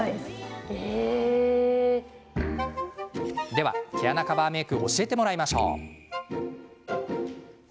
では、毛穴カバーメーク教えてもらいましょう。